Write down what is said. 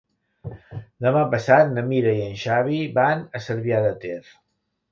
Demà passat na Mira i en Xavi van a Cervià de Ter.